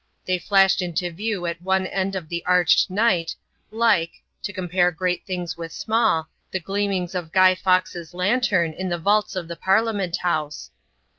They flashed into view at one end of the arched night, like — ^to compare great things with small — the gleamings of Guy Fawkes's lantern in the vaults of the Parliament House.